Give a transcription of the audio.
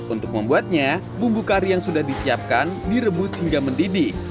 untuk membuatnya bumbu kari yang sudah disiapkan direbus hingga mendidih